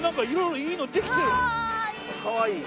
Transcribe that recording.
うわいい！